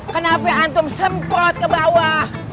kenapa antum semprot ke bawah